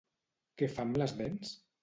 Què fa amb les dents?